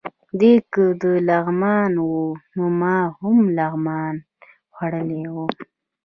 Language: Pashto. دی که د لغمان و، نو ما هم لغمان خوړلی و.